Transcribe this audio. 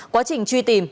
quá trình truy tìm